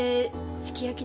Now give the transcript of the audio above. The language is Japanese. すき焼きか。